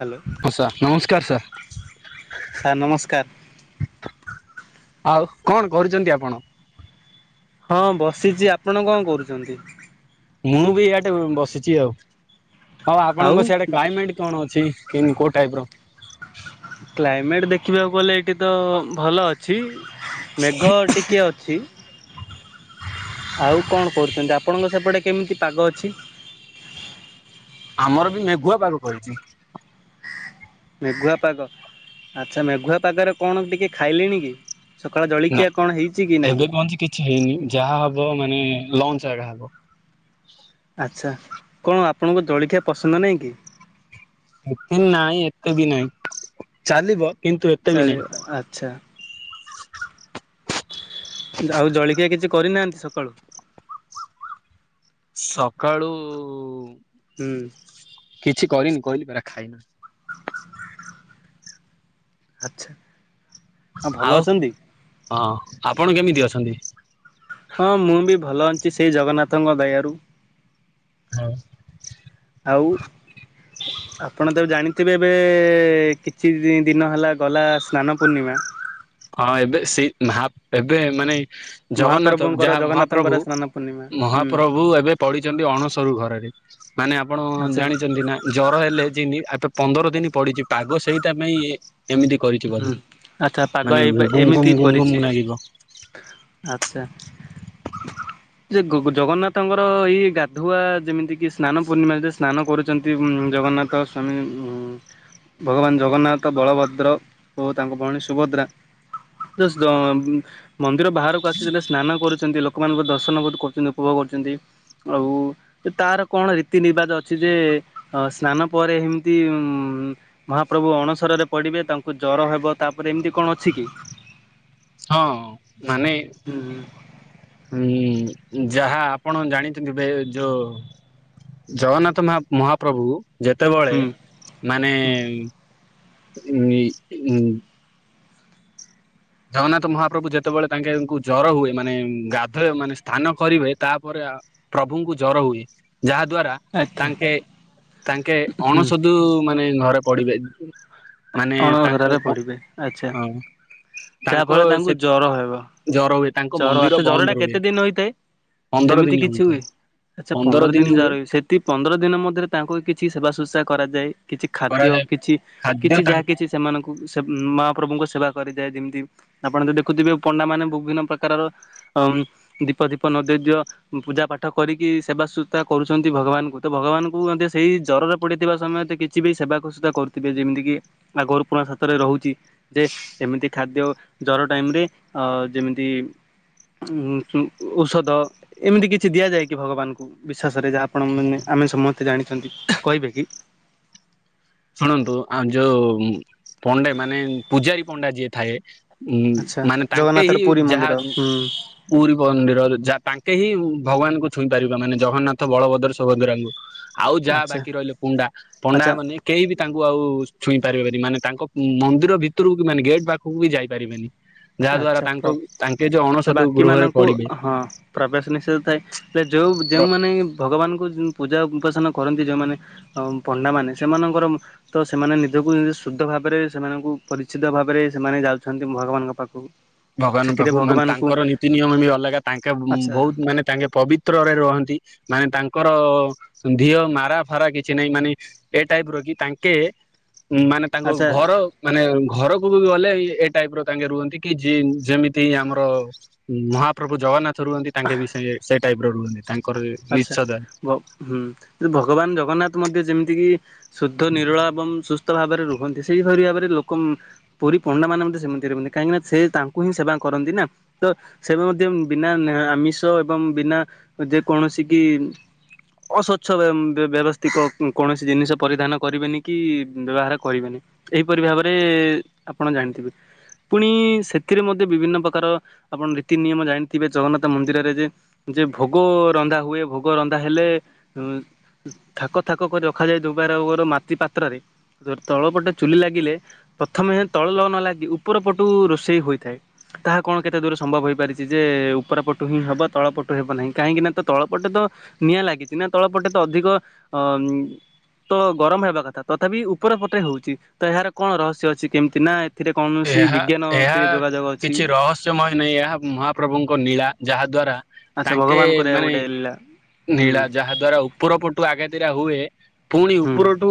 Hello ହଁ! ସାର୍-ନମସ୍କାର-ସାର୍ । Sir ନମସ୍କାର। ଆଉ କଣ କରୁଛନ୍ତି ଆପଣ? ହଁ! ବସିଛି ଆପଣ କଣ କରୁଛନ୍ତି? ମୁଁ ବି ଇଆଟେ ବସିଛି ଆଉ, ଆଉ ଆପଣଙ୍କ ସେଆଡେ କ୍ଲାଇମେଟ କଣ ଅଛି? କିନ? କୋଉ ଟାଇପ ର--? କ୍ଲାଇମେଟ୍ ଦେଖିବାକୁ ଗଲେ ମେଘ ଟିକେ ଅଛି। ଆଉ କଣ କରୁଛନ୍ତି ଆପଣଙ୍କ ସେପଟେ କେମିତି ପାଗ ଅଛି? ଆମର ବି ମେଘୁଆ ପାଗ କରିଛି। ମେଘୁଆ ପାଗ, ଆଛା! ମେଘୁଆ ପାଗରେ କଣ ଟିକେ ଖାଇଲିଣି କି? ସକାଳ ନା, ଜଳଖିଆ କଣ ହେଇଛି କି ନାହିଁ ଏବେ କୁହନ୍ତି କିଛି ହେଇନି, ଯାହା ହବ ମାନେ ଲଞ୍ଚ ଜାଗା ହେବ। ଆଛା! କଣ ଆପଣଙ୍କ ଜଳଖିଆ ପସନ୍ଦ ନାହିଁ କି? ଏତେ ନାଇଁ ଏତେ ବି ନାହିଁ, ଚାଲିବ? କିନ୍ତୁ ଏତେ ବି ନାଇଁ। ଚାଲିବ, ଆଛା! ଆଉ ଜଳଖିଆ କିଛି କରିନାହାନ୍ତି ସକାଳୁ? ସକାଳୁ ହୁଁ କିଛି କରିନି, କହିଲି ପରା ଖାଇନି। ଆଛା! ହଁ ଆଉ ଭଲ ଅଛନ୍ତି? ହଁ! ଆପଣ କେମିତି ଅଛନ୍ତି? ହଁ ମୁଁ ବି ଭଲ ଅଛି ସେଇ ଜଗନ୍ନାଥଙ୍କ ଦୟାରୁ। ହଉ! ଆଉ ଆପଣ ତାକୁ ଜାଣି ତେ ଏବେ କିଛି ଦିନ ହେଲା ଗଲା ସ୍ନାନ ପୂର୍ଣ୍ଣିମା। ହଁ! ଏବେ ସେଇ ଏବେ ମାନେ ଜଗନ୍ନାଥ, ମହାପ୍ରଭୁଙ୍କର ଯାହା ଜଗନ୍ନାଥଙ୍କର ମହାପ୍ରଭୁ ସ୍ନାନ ପୂର୍ଣ୍ଣିମା ହୁଁ ମହାପ୍ରଭୁ, ଏବେ ପଡିଛନ୍ତି ଅଣସରୁ ଘରରେ, ମାନେ ଆପଣ ଆଚ୍ଛା ଜାଣିଛନ୍ତି ନା ଜର ଏ ପନ୍ଦର ଦିନ ପଡିଛି, ପାଗ ସେଇଟ ପାଇଁ ଏମିତି କରିଛି ବଧେ। ହୁଁ। ଆଚ୍ଛା ଏମିତି କରିଛି, ଆଛା। ଯେ ଜଗନ୍ନାଥଙ୍କର ଏଇ ଗାଧୁଆ, ଯେମିତି କିି ସ୍ନାନପୂର୍ଣ୍ଣିମା ଯେ ସ୍ନାନ କରୁଛନ୍ତି, ଜଗନ୍ ଜଗନ୍ନାଥ ସ୍ଵାମୀ, ଭଗବାନ ଜଗନ୍ନାଥ, ବଳଭଦ୍ର ଓ ତାଙ୍କ ଭଉଣୀ ସୁଭଦ୍ରା। ମନ୍ଦିର ବାହାରକୁ ଆସିଥିଲେ, ସ୍ନାନ କରୁଛନ୍ତି ଲୋକମାନଙ୍କ ଦର୍ଶନ ବି କରୁଛନ୍ତି, ଉପଭୋଗ ଆଉ ତାର କଣ ରୀତି ନିବାଜ ଅଛି, ଯେ ସ୍ନାନ ପରେ ମହାପ୍ରଭୁ ଅଣସରରେ ପଡ଼ିବେ, ତାଙ୍କୁ ଜର ହେବ ତାପରେ ଏମିତି କଣ ଅଛି କି? ହଁ ମାନେ ହୁଁ ଉଁ। ଯାହା ଆପଣ ଜାଣିଛନ୍ତି, ବେ ଯୋ ଜଗନ୍ନାଥ ମ ମହାପ୍ରଭୁ। ଯେତେବେଳେ ହୁଁ ମାନେ ହୁଁ ଉଁ ଉଁ ଜଗନ୍ନାଥ ମହାପ୍ରଭୁ ଯେତେବେଳେ ତାଙ୍କେଙ୍କୁ ଜର ହୁଏ। ମାନେ ଗାଧୋଇବେ ମାନେ ସ୍ନାନ କରିବେ ତାପରେ ଆ ପ୍ରଭୁଙ୍କୁ ଜର ହୁଏ। ଯାହା ଦ୍ଵାରା ଆଛା ତାଙ୍କେ ତାଙ୍କେ ହୁଁ ଅଣସୁଧୁ ମାନେ ଘରେ ପଡିବେ। ମାନେ ତାଙ୍କ ଅଣସରାରେ ପଡିବେ ଆଛା। ଅ ଯାହା ତାଙ୍କ ଫଳରେ ତାଙ୍କୁ ସେ ଜର ହେବ। ଜର ହୁଏ ତାଙ୍କ ଜର ମନ୍ଦିର ଆଛା ବନ୍ଦ ଜରଟା ରୁହେ କେତେ ଦିନ ହୋଇଥାଏ? ପନ୍ଦର ସେମିତି ଦିନ କିଛି ହୋଇଥାଏ ହୁଏ ।ଆଚ୍ଛା ପନ୍ଦର ଦିନ ଜର ହୁଏ, ସେଠି ପନ୍ଦର ଦିନ ମଧ୍ୟରେ ତାଙ୍କ କିଛି ସେ ବା ଶୁଷା କରାଯାଏ। କିଛି ଖାଦ୍ୟ କରାଯାଏ କିଛି ଖାଦ୍ୟ କିଛି ଯାହା ତାଙ୍କ କିଛି ସେମାନଙ୍କୁ ସେ ମା ପ୍ରଭୁଙ୍କ ସେବା କରିଯାଏ ।ଯେମିତି ଆପଣ ଯଦି ଦେଖୁଥିବେ ପଣ୍ଡାମାନେ ବିଭିନ୍ନ ପ୍ରକାରର ଅ ଦି ଦୀପ ଦୀପ ନଦଦ୍ୟ ପୂଜା ପାଠ କରିକି ସେବାସୂତା କରୁଛନ୍ତି ଭଗବାନଙ୍କୁ, ତ ଭଗବାନଙ୍କୁ ମଧ୍ୟ ସେଇ ଜ୍ୱରରେ ପଡିଥିବା ସମୟତ କିଛି ବି ସେବାଖସୁତା କରୁଥିବେ ଯେମିତି କି ଆଗରୁ ପୁଣାଖାତରେ ରହୁଛି ।ଯେ ଏମତି ଖାଦ୍ୟ ଜର ଟାଇମରେ ଅ ଯେମି ତି ଉଁ ଉଁ ଔଷଧ ଏମିତି କିଛି ଦିଆଯାଏ କି ଭଗବାନଙ୍କୁ, ବିଶ୍ୱାସ ସ ଯାହା ଆପଣ ମାନେ ଆମେ ସମସ୍ତେ ଜାଣିଛନ୍ତି କହିବେ କି? ଶୁଣନ୍ତୁ ଆ ଯୋଉ ପଣ୍ଡାମାନେ ପୂଜାରୀ ପଣ୍ଡା ଯିଏ ଥାଏ। ଉଁ ଆଚ୍ଛା ମାନେ ତାଙ୍କେ ଜଗନ୍ନାଥର ହିଁ, ପୁରୀ ଯାହା ମନ୍ଦିର ହୁଁ ପୁରୀ ମନ୍ଦିର ଯା ତାଙ୍କେ ହିଁ ଭଗବାନଙ୍କୁ ଛୁଇଁ ପାରିବା। ମାନେ ଜଗନ୍ନାଥ ବଳଭଦ୍ର ସୁଭଦ୍ରାଙ୍କୁ ଆଉ ଯାହା ଆଚ୍ଛା ବାକି ରହିଲେ ପୁଣ୍ଡା ଆଚ୍ଛା ପଣ୍ଡାମାନେ ତାଙ୍କୁ ଆଉ ଛୁଇଁ ପାରିବେନି। ମାନେ ତାଙ୍କ ମନ୍ଦିର ଭିତରକୁ କି ମାନେ ଗେଟ୍ ପାଖକୁ ବି ଯାଇ ପାରିବେନି। ଯାହା ଦ୍ଵାରା ତାଙ୍କୁ ତାଙ୍କେ ସେ ଅଣସଧ ବାକି ଗୃହରେ ମାନଙ୍କୁ ପଡିବେ ହଁ ପ୍ରବେଶ ନିଷେଧ ଥାଏ ।ଯୋଉ ଯେଉମାନେ ଭଗବାନ ପୂ ପୂଜା ଉପାସନା କରନ୍ତି ଯେଉମାନେ ପଣ୍ଡା ମାନେ ସେମାନଙ୍କର ତ ସେମାନେ ନିଜକୁ ଶୁଦ୍ଧ ଭାବରେ ସେମାନଙ୍କୁ ପରିଚିତ ଭାବରେ ସେମାନେ ଯାଉଛନ୍ତି ଭଗବାନଙ୍କ ପାଖ ଭଗବାନଙ୍କ ପାଖକୁ ମାନେ ତାଙ୍କର ନୀତି ନିୟମ ବି ଅଲଗା, ତାଙ୍କେ ଆଚ୍ଛା ବହୁତ ମାନେ ତାଙ୍କେ ପବିତ୍ରରେ ରହନ୍ତି। ମାନେ ତାଙ୍କର ଧିଅ ମାରା ଫାରା କିଛି ନାହିଁ ମାନେ ଏ ଟାଇପର କି ତାଙ୍କେ ମାନେ ତାଙ୍କ ଆଚ୍ଛା ଘର ମାନେ ଘରକୁ ବି ଗଲେ ଏ ଟାଇପର ତାଙ୍କେ ରୁହନ୍ତି। କି ଯେ ଯେମିତି ଆମର ମହାପ୍ରଭୁ ଜଗନ୍ନାଥ ରୁହନ୍ତି। ତାଙ୍କେ ବି ସେ ସେ ଟାଇପର ରୁହନ୍ତି ତା ଆଛା! ଭ ହୁଁ ଭଗବାନ ଜଗନ୍ନାଥ ମଧ୍ୟ ଯେମିତି କିି ଶୁଦ୍ଧ ନିରୋଳା ଏବଂ ସୁସ୍ଥ ଭାବରେ ରୁହନ୍ତି ।ସେଇଭଳି ଭାବରେ ଲୋକ ପୁରୀ ପଣ୍ଡାମାନେ ମଧ୍ୟ ସେମିତି ରୁହନ୍ତି, କାହିଁକି ନା ସେ ତାଙ୍କୁ ହିଁ ସେବା କରନ୍ତି ନା, ତ ସେ ବି ମଧ୍ୟ ବିନା ନେ ଆମିଷ ଏବଂ ନା ଯେ କୌଣସି କି ଅସ୍ୱଚ୍ଛ ବେ ବ୍ୟବସ୍ଥିକ କୌଣସି ଜିନିଷ ପରିଧାନ କରିବେନି କି ବ୍ୟବହାର କରିବେନି। ଏହିପରି ଭାବରେ ଆପଣ ଜାଣିଥିବେ। ପୁଣି ସେଥିରେ ମଧ୍ୟ ବିଭିନ୍ନ ପ୍ରକାର ଆପଣ ରୀତି ନିୟମ ଜାଣିଥିବେ ।ଜଗନ୍ନାଥ ମନ୍ଦିରରେ ଯେ ଯେ ଭୋଗରନ୍ଧା ହୁଏ ଭୋଗ ରନ୍ଧା ହେଲେ ଉଁ ଥାକ ଥାକ କରି ରଖାଯାଏ ।ଦୁବାର ଓର ମାଟି ପାତ୍ରରେ। ଧ ତଳ ପଟେ ଚୁଲି ଲାଗିଲେ ପ୍ରଥମେ ତଳ ଲ ନ ଲାଗି ଉପର ପଟୁ ରୋଷେଇ ହୋଇଥାଏ। ତାହା କଣ କେତେ ଦୂର ସମ୍ଭବ ହୋଇପାରିଛି। ଯେ ଉପରପଟୁ ହିଁ ହବ ତଳ ପଟୁ ହବ ନାହିଁ, କାହିଁକି ନା ତ ତଳ ପଟେ ତ ନିଆଁ ଲାଗିଛି ନା, ତଳ ପଟେ ତ ଅଧିକ ଅ ତ ଗରମ ହେବା କଥା। ତଥାପି ଉପର ପଟେ ହଉଛି, ତ ଏହାର କଣ ରହସ୍ୟ ଅଛି କେମିତି ନା ଏଥିରେ କୌଣସି ଏହା ବିଜ୍ଞାନ ଏହା ଏଥିରେ ଯୋଗାଯୋଗ ଅଛି କିଛି ରହସ୍ୟମୟ ନାଇଁ। ଏହା ମହାପ୍ରଭୁଙ୍କ ନୀ ଆଚ୍ଛା ତାଙ୍କେ ଭଗବାନଙ୍କର ଏହା ମାନେ ଗୋଟେ ଲୀଳା ହୁଁ ନୀଳା ଯାହା ଦ୍ଵାରା ଉପର ପଟୁ ଆଗାତିରା ହୁଏ। ଫୁଣି ହୁଁ ଉପର ଠୁ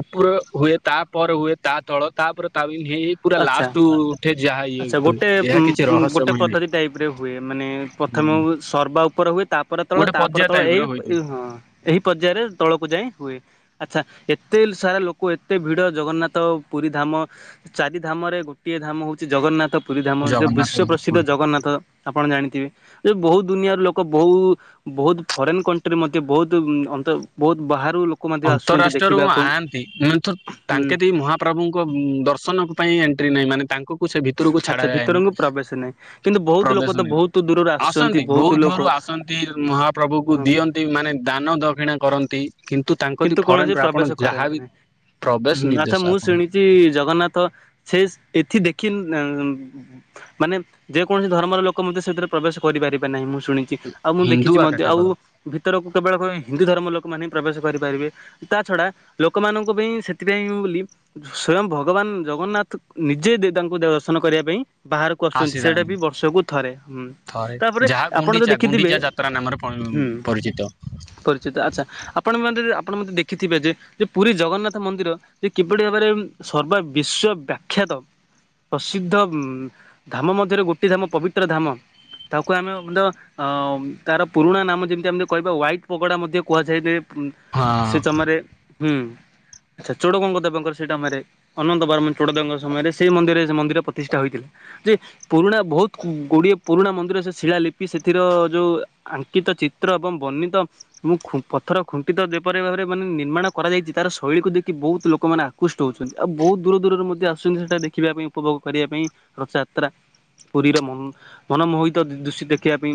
ଉପର ହୁଏ, ତା ପରେ ହୁଏ ତା ତଳ ତା ପରେ ତା ବିନ ହେଇ ହେଇ ପୁରା ଆଚ୍ଛା ଲାଷ୍ଟ କୁ ଉଠେ। ଯାହା ଇଏ ଆଚ୍ଛା ହୁଏ ଗୋଟେ ଏହା ଉଁ କିଛି ଉଁ ଗୋଟେ ରହସ୍ୟମୟ ନାହିଁ ପଦ୍ଧତି ଟାଇପ ରେ ହୁଏ। ମାନେ ପ୍ରଥମେ ଉ ସର୍ବା ଉପର ହୁଏ ତା ପରେ ତଳ ଗୋଟେ ତା ପରେ ପର୍ଯ୍ୟା ତଳ ଟାଇପ ର ଏଇ ହୋଇଥାଏ। ଏହି ପର୍ଯ୍ୟାୟରେ ତଳକୁ ଯାଇଁ ହୁଏ। ଆ ଚ୍ଛା, ଏତେ ସାରା ଲୋକ ଏତେ ଭିଡ ଜଗନ୍ନାଥ ପୁରୀ ଧାମ ଚାରି ଧାମରେ ଗୋଟିଏ ଧାମ ହଉ ଚି ଜଗନ୍ନାଥ ପୁରୀ ଧାମ। ଯୋଉ ଜଗନ୍ନାଥ ବିଶ୍ଵ ପ୍ରସିଦ୍ଧ ମହାପ୍ରଭୁ ଜଗନ୍ନାଥ। ଆପଣ ଜାଣିଥିବେ ଯେ ବହୁତ ଦୁନିଆର ଲୋକ ବହୁ ବହୁତ ଫରେନ୍ କଣ୍ଟ୍ରି ମଧ୍ୟ ବହୁତ ଉଁ ତ ବହୁତ ବାହାର ଅନ୍ତରାଷ୍ଟ୍ରୀୟରୁ ଆଆନ୍ତି ମୁଏ ଥ ହୁଁ। ତାଙ୍କେ ଦେଇ ମହାପ୍ରଭୁଙ୍କ ଉଁ ଦର୍ଶନ ପାଇଁ ଏନ ଟ୍ରି ନାହିଁ ମାନେ ତାଙ୍କୁ ଆଚ୍ଛା ଭିତରଙ୍କୁ ପ୍ରବେଶ ନାହିଁ କିନ୍ତୁ ବହୁତ ପ୍ରବେଶ ଲୋକ ତ ନାଇଁ ବହୁତ ଦୂରରୁ ଆସନ୍ତି ଆସୁଛନ୍ତି ବହୁତ୍ ବହୁତ ଦୂର ରୁ ଲୋକ ଆସ ଆସନ୍ତି ଉଁ ମହାପ୍ରଭୁ କୁ ହଁ ଦିଅନ୍ତି ମାନେ ଦାନ ଦକ୍ଷିଣା କରନ୍ତି। କିନ୍ କିନ୍ତୁ କୌଣସି ପ୍ରବେଶ କରନ୍ତି ନାହିଁ। ପ୍ରବେଶ ହୁଁ ଆଚ୍ଛା ନିର୍ଦ୍ଦେଶ ମୁଁ ଆପଣଙ୍କୁ ଶୁଣିଚି ଜଗନ୍ନାଥ ସେ ଏଠି ଦେଖିନ ନା ହମ୍ ମାନେ ଯେକୌଣସି ଧର୍ମର ଲୋକ ମଧ୍ୟ ସେଥିରେ ପ୍ରବେଶ କରିପାରିବେ ନାହିଁ। ମୁଁ ଶୁଣିଚି। ଆଉ ମୁଁ ହିନ୍ଦୁ ଦେଖିଚି ଆକା ମଧ୍ୟ ଆଉ କେବଳ ଭିତରକୁ କେବଳ କ ଏ ହିନ୍ଦୁ ଧର୍ମର ଲୋକ ମାନେ ହିଁ ପ୍ରବେଶ କରିପାରିବେ। ତା ଛଡା ଲୋକମାନଙ୍କ ପାଇଁ ସେଥିପାଇଁ ଉଁ ବୋଲି ସ୍ଵୟଂ ଭଗବାନ ଜଗନ୍ନାଥ ତ୍ ନିଜେ ଦେ ତାଙ୍କୁ ଦର୍ଶନ କରିବା ପାଇଁ ବାହାରକୁ ଆସୁଛନ୍ତି ସେଇଟା ଆସିଥାନ୍ତି ବି ବର୍ଷକୁ ଥରେ। ହୁଁ ଥରେ ତା ପରେ ଯାହା ଆପଣ ତ ଗୁଣ୍ଡିଚା ଦେଖିଥିବେ। ଗୁଣ୍ଡିଚା ଯାତ୍ରା ନାମରେ ପରିଚିତ। ପରିଚିତ ଆଚ୍ଛା ଆପ ଦେଖୁନାହାନ୍ତି ଆପଣ ମତେ ଦେଖିଥିବେ ଯେ। ଯେ ପୁରୀ ଜଗନ୍ନାଥ ମନ୍ଦିର ଯେ କିଭଳି ଭାବରେ ଉଁ ସର୍ବା ବିଶ୍ଵ ବ୍ୟାଖ୍ୟାତ ପ୍ରସିଦ୍ଧ ଉଁ ଧାମ ମଧ୍ୟରେ ଗୋଟଏ ଧାମ ପବିତ୍ର ଧାମ। ତାକୁ ଆମେ ଦ ଅଁ ତାର ପୁରୁଣା ନାମ ଯେମିତି ଏମିତି କହିବା ହ୍ୱାଇଟ୍ ପାଗୋଡା ମଧ୍ୟ କୁହାଯାଏ ନେ। ଉଁ ହଁ ସେ ଚମ ରେ ଆଚ୍ଛା ଚୋଡଗଙ୍ଗ ଦେବଙ୍କର ସେଇଟା ମରେ ଅନନ୍ତ ବର୍ମନ ଚୋଡଦେବଙ୍କ ସମୟରେ ସେଇ ମନ୍ଦିରେ ସେ ମନ୍ଦିର ପ୍ରତିଷ୍ଠା ହୋଇଥିଲା। ଯେ ପୁରୁଣା ବହୁତ ଗୁଡିଏ ପୁରୁଣା ମନ୍ଦିର ସେ ଶିଳାଲିିପି ସେଥିର ଯୋଉ ଆଙ୍କିତ ଚିତ୍ର ଏବଂ ବର୍ଣ୍ଣିତ ମୁଁ ଖୁଁ ପଥର ଖୁଣ୍ଟିିତ ଯେପରି ଭାବରେ ମାନେ ନିର୍ମାଣ କରାଯାଇଚି। ତାର ଶୈଳୀକୁ ଦେଖି ବହୁତ ଲୋକମାନେ ଆକୃଷ୍ଟ ହଉଚନ୍ତି। ଆଉ ବହୁତ ଦୂର ଦୂର ଦୂରରୁ ମଧ୍ୟ ଆସୁଚନ୍ତି ସେଟା ଦେଖିବା ପାଇଁ ଉପଭୋଗ କରିବା ପାଇଁ ରଥଯାତ୍ରା। ପୁରୀର ମନ ମନମୋହିତ ଦୃଶ୍ୟ ଦେଖିବା ପାଇଁ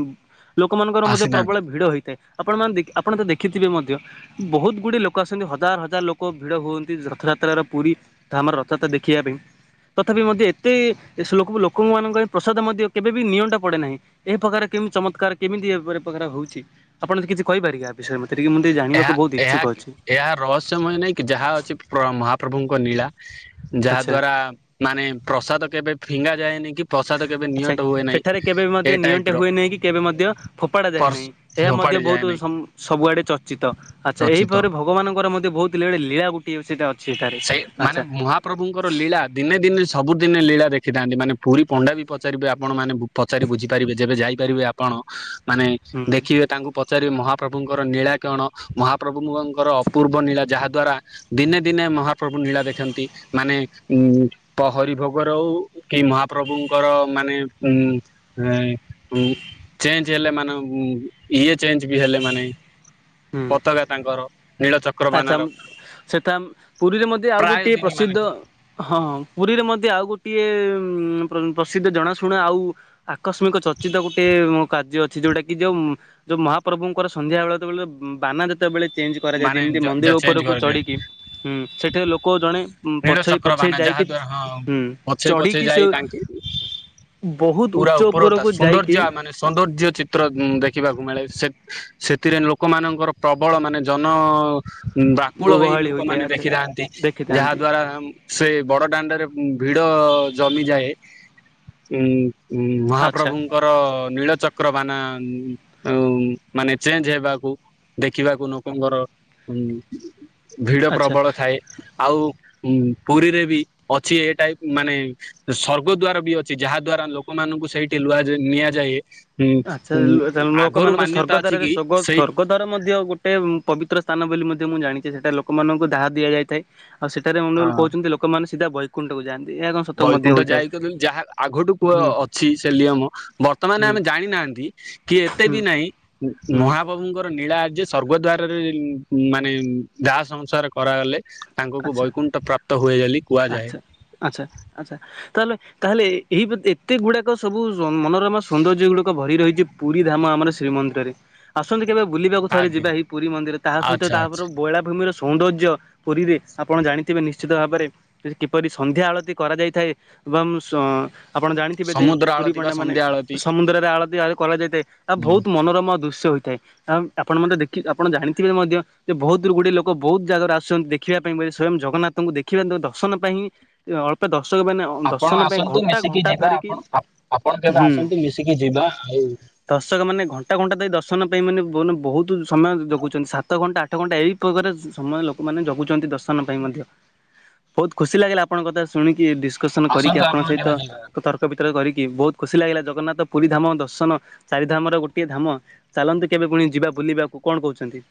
ଲୋକମାନଙ୍କର ମଧ୍ୟ ପ୍ରବଳ ଆସିଥାନ୍ତି ଭିଡ଼ ହେଇଥାଏ। ଆପଣମାନେ ଦେଖ୍ ଆପଣ ତ ଦେଖିଥିବେ ମଧ୍ ଧ୍ୟ ବହୁତ ଗୁଡିଏ ଲୋକ ଆସନ୍ତି। ହଜାର ହଜାର ଲୋକ ଭିଡ ହୁଅନ୍ତି ରଥଯାତ୍ରାର ପୁରୀ ଧାମର ରଥଯାତ୍ରା ଦେଖିବା ପାଇଁ। ତଥାପି ମଧ୍ୟ ଏତେ ସେ ଲୋକ ଲୋକମାନଙ୍କ ପାଇଁ ପ୍ରସାଦ ମଧ୍ୟ କେବେ ବି ନିଅଣ୍ଟା ପଡେ ନାହିଁ। ଏହି ପ୍ରକାର କେ କେମିତି ଚମତ୍କାର କେମିତି ଏ ପରି ପକାର ହଉଚି। ଆପଣ କିଛି କହିପାରେ ଆ ବିଷୟରେ ମତେ ଟିକେ? ଟିକେ ଜାଣିବାକୁ ଏହା ବହୁତ ଏହା ଇଚ୍ଛୁକ ଅଛି ଏହା ରହସ୍ୟମୟ ନାଇଁ କି ଯାହା ଅଛି ପ୍ର ମହାପ୍ରଭୁଙ୍କ ନୀଳା। ଯାହା ଆଚ୍ଛା ଦ୍ଵାରା ମାନେ ପ୍ରସାଦ କେବେ ଫିଙ୍ଗା ଯାଏନି। କି ପ୍ରସାଦ କେବେ ଆଚ୍ଛା ନିଅଣ୍ଟ ହୁଏ ନାହିଁ। ସେଠାରେ କେବେ ବି ଏ ମଧ୍ୟ ଟାଇପ ନିଅଣ୍ଟେ ର ହୁଏ ନାହିଁ କି କେବେ ମଧ୍ୟ ଫୋପାଡା ଯାଏ ନାହିଁ। ଏହା ମଧ୍ୟ ଫୋପାଡି ଯାଏ ବହୁତ ନାହିଁ ସମ ସବୁ ଆଡେ ଚର୍ଚ୍ଚ ଚିତ ଆଚ୍ଛା ଏହି ରଚିତ। ପାବରେ ଭଗବାନଙ୍କର ମଧ୍ୟ ବହୁତ ଲୁଳେ ଲୀଳା ଗୋଟିଏ ସେଇଟା ଅ ସେଇମାନେ ମହାପ୍ରଭୁଙ୍କର ଲୀଳା ଦିନେ ଦିନେ ସ୍ ସବୁଦିନେ ଲୀଳା ଦେଖିଥାନ୍ତି। ମାନେ ପୁରୀ ପଣ୍ଡା ବି ପଚାରିବେ ଆପଣମାନେ କୁ ପଚାରି ବୁଝିପାରିବେ ଯେବେ ଯାଇପାରିବେ ଆପଣ। ହଁ ମାନେ ହୁଁ ଦେଖିବେ ତାଙ୍କୁ ପଚାରିବେ ମହା ପ୍ରଭୁଙ୍କର ନୀଳା କଣ। ମହାପ୍ରଭୁଙ୍କର ଅପୂର୍ବ ନୀଳା ଯାହା ଦ୍ଵାରା ଦିନେ ଦିନେ ମ ମହାପ୍ରଭୁ ନୀଳା ଦେଖନ୍ତି ମାନେ ଉଁ ପ୍ରହରି ଭୋଗ ରଉ କି ମହାପ୍ରଭୁଙ୍କର ମାନେ ଉଁ ହେଁ ଉଁ ଚେଞ୍ଜ ହେଲେ ଉଁ ମାନ ଇଏ ଚେଞ୍ଜେ ବି ହେଲେ ମାନେ ହୁଁ। ପତାକା ତାଙ୍କର ଆଚ୍ଛା ନୀଳଚକ୍ରବାନାର ସେଠା ପୁରୀରେ ମଧ୍ୟ ଆଉ ଗୋଟିଏ ପ୍ରସିଦ୍ଧ ହ ହଁ ପୁରୀରେ ମଧ୍ୟ ଆଉ ଗୋଟିଏ ଉ ପ୍ରସିଦ୍ଧ ଜଣାଶୁଣା ଆଉ ଆକସ୍ମିକ ଚର୍ଚି ଗୋଟେ କାର୍ଯ୍ୟ ଅଛି ଯୋଉଟା କି ଯୋଉ ଯୋଉ ମହାପ୍ରଭୁଙ୍କର ସନ୍ଧ୍ୟା ବେଳେେବେଳେ ବାନା ଯେତେବେଳେ ଚେଞ୍ଜ କରାଯାଏ ମାନେ ଯେମିତି ଯ ଯ ମନ୍ଦିର ଚେଞ୍ଜ ଉପରକୁ କରିଦିଏ ଚଢ଼ିକି ସେଠାରେ ଲୋକ ଜଣେ ନୀଳ ପଛେଇ ପଛେଇ ଚକ୍ରବାନା ଯାହା ଯାଇକି ଦ୍ଵାରା ହଁ ହୁଁ ପଛେଇ ପଛେଇ ଚଢ଼ିକି ସେ ଯାଇ ତାଙ୍କେ ବହୁତ ପୁରା ଉଚ୍ଚ ଉପର ତା ଉପରକୁ ଯାଇକି ସୌନ୍ଦର୍ଯ୍ୟ ମାନେ ସୌନ୍ଦର୍ଯ୍ୟ ଚିତ୍ର ଦେଖିବାକୁ ମିଳେ ସେ ସେଥିରେ ଲୋକମାନାନଙ୍କର ପ୍ରବଳ ମାନେ ଜନ ବାକୁଳ ହେଇ ଗହଳି ହୋଇଥାଏ ଲୋକମାନେ ଆଚ୍ଛା ଦେଖିଥାନ୍ତି। ଯାହା ଦେଖିଥାନ୍ତି ଦ୍ଵାରା ସେ ବଡ ଦାଣ୍ଡରେ ଭିଡ ଜମିଯାଏ। ଉ ଆଚ୍ଛା ମହାପ୍ରଭୁଙ୍କର ନୀଳଚକ ଚକ୍ରବାନା ମାନେ ଚେଞ୍ଜ ହେବାକୁ ଦେଖିବାକୁ ଲୋକଙ୍କର ଉ ଭିଡ ଆଚ୍ଛା ପ୍ରବଳ ଥାଏ। ଆଉ ପୁରୀରେ ବି ଅଛି ଏଟାଇପ ମାନେ ସର୍ଗ ଦ୍ଵାର ବି ଅଛି ଯାହା ଦ୍ଵା ରା ଲୋକମାନଙ୍କୁ ସେଇଠି ଲୁଆ ନିଆଯାଏ। ଆଛା ଉଁ ଆଗରୁ ଲୋକମାନଙ୍କୁ ମାନ୍ୟତା ସ୍ୱର୍ଗ ଅଛି ଦ୍ଵାରରେ କି ସ୍ୱର୍ଗ ସେଇ ସ୍ୱର୍ଗଦାର ମଧ୍ୟ ଗୋଟେ ପବିତ୍ର ସ୍ଥାନ ବୋଲି ମୁଁ ଜାଣିଛି ସେଟା ଲୋକମାନଙ୍କୁ ଦାହ ଦିଆଯାଇଥାଏ ଆଉ ସେଠାରେ ମଣ୍ଡ କହୁଛନ୍ତି ଲୋକମାନେ ସିଧା ବୈକୁଣ୍ଠକୁ ଯାଆନ୍ତି। ଏହା କଣ ସତ ମଧ୍ୟ ବୈକୁଣ୍ଠ ହୋଇଥାଏ। ଯାଇକ ଯାହା ଆଗଠୁ କୁ ହୁଁ ଅଛି ସେ ନିୟମ ବର୍ତ୍ତମାନ ହୁଁ ଆମେ ଜାଣି ନାହାନ୍ତି କି ଏତେ ହୁଁ ବି ନାହିଁ ହୁଁ ମହାପ୍ରଭୁଙ୍କର ନୀଳା ଆ ଯେ ସ୍ୱର୍ଗ ଦ୍ଵାରରେ ମାନେ ଦାହ ସଂସାର କରାଗଲେ ତାଙ୍କୁକୁ ଆଚ୍ଛା। ବୈକୁଣ୍ଠ ପ୍ରାପ୍ତ ହୁଏ ବୋଲି କୁହାଯାଏ। ଆଚ୍ଛା ଆଚ୍ଛା ଆଚ୍ଛା ତାହେଲେ ତାହେଲେ ଏଇ ଏତେ ଗୁଡାକ ସବୁ ମନୋରମା ସୌନ୍ଦର୍ଯ୍ୟ ଗୁଡକ ଭରି ରହିଚି ପୁରୀ ଧାମ ଆମର ଶ୍ରୀମନ୍ଦିରରେ ଆସନ୍ତି କେବେ ବୁଲିବାକୁ ଥରେ ଆଜ୍ଞା ଯିବା ଏହିଇ ପୁରୀ ମନ୍ଦିର ତାହା ସହିତ ଆଚ୍ଛା ତାପରେ ଆଚ୍ଛା ବୈଳାଭୂମିର ସୌନ୍ଦର୍ଯ୍ୟ ପୁରୀରେ ଆପଣ ଜାଣିଥିବେ ନିଶ୍ଚିତ ଭାବରେ କିପରି ସନ୍ଧ୍ୟା ଆଳତି କରାଯାଇଥାଏ ଏବଂ ଆପଣ ଜାଣିଥିବେ ଯେ ସମୁଦ୍ର ପୁରୀ ଆଳତି ବା ପଣ୍ଡା ମାନେ ସନ୍ଧ୍ୟା ଆଳତି ସମୁଦ୍ରରେ ଆଳତି ଆ କରାଯାଇଥାଏ ତା ହଁ ବହୁତ ମନୋରମ ଦୃସ ହୋଇଥାଏ ଆପଣ ମେ ଦେଖି ଆପଣ ଜାଣିଥିବେ ମଧ୍ୟ ଯେ ବହୁତ ଦୂର ଗୁଡିଏ ଲୋକ ବହୁତ ଜାଗାରେ ଆସୁଛନ୍ତି ଦେଖିବା ସ୍ଵୟଂ ଜଗନ୍ନାଥଙ୍କୁ ଦେଖିବା ଦର୍ଶନ ପାଇଁ ଅଳ୍ପ ଦର୍ଶକ ମାନ ଆପଣ ଦର୍ଶନ ପାଇଁ ଆସନ୍ତୁ ଘଣ୍ଟା ମିଶିକି ଘଣ୍ଟା ଯିବା ଧରିକି ଆପଣ ଆ- ଆପଣ କେବେ ହୁଁ ଆସନ୍ତୁ ମିଶିକି ଯିବା ଆଉ ଦର୍ଶକ ମାନେ ଘଣ୍ଟା ଘଣ୍ଟା ଦେଇ ଦର୍ଶନ ପାଇଁ ମାନ ବହୁତ ସମୟ ଜଗୁଛନ୍ତି ସାତ ଘଣ୍ଟା ଆଠ ଘଣ୍ଟା ଏ ପ୍ରକାରେ ସମୟ ଲୋକମାନେ ଜଗୁଛନ୍ତି ଦଶ ସ୍ମାନ ପାଇଁ ମଧ୍ୟ ବହୁତ ଖୁସି ଲାଗିଲା ଆପଣଙ୍କ କଥା ଶୁଣିକି କରି ଆସନ୍ତୁ ଆପଣଙ୍କ ଆପଣ ସହିତ କେବେ ଯିବା ତର୍କ ବିିତର୍କ କରି କି ବହୁତ ଖୁସି ଲାଗିଲା ଜଗନ୍ନାଥ ପୁରୀ ଧାମ ଦର୍ଶନ ଚାରି ଧାମର ଗୋଟିଏ ଧାମ ଚାଲନ୍ତି କେବେ ପୁଣି ଯିବା ବୁଲିବାକୁ କଣ କହୁଛନ୍ତି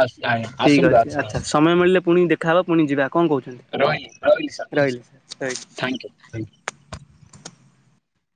ଆସ- ଠିକ୍ ଆସନ୍ତୁ ଅଛି ଆଚ୍ଛା ଆସନ୍ତୁ। ସମୟ ମିଳିଲେ ପୁଣି ଦେଖାହେବ ପୁଣି ଯିବା। କଣ କହୁଛନ୍ତି ରହିଲି ସାର୍ ରହିଲି ନମସ୍କାର ରହିଲି। Thank you thank you